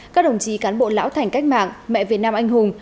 các đồng chí cán bộ lão thành cách mạng mẹ việt nam anh hùng